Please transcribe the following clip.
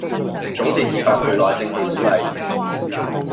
總是以百倍耐性去鼓勵